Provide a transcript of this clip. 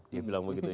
dia bilang begitu